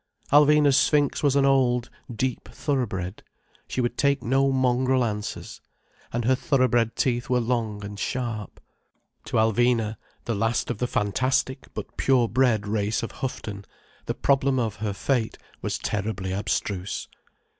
Alvina's sphinx was an old, deep thoroughbred, she would take no mongrel answers. And her thoroughbred teeth were long and sharp. To Alvina, the last of the fantastic but pure bred race of Houghton, the problem of her fate was terribly abstruse.